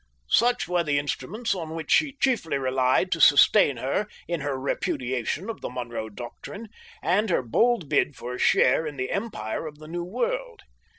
Such were the instruments on which she chiefly relied to sustain her in her repudiation of the Monroe Doctrine and her bold bid for a share in the empire of the New World.